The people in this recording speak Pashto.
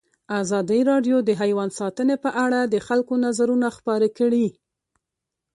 ازادي راډیو د حیوان ساتنه په اړه د خلکو نظرونه خپاره کړي.